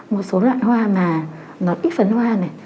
một số loại hoa mà nó ít phấn hoa này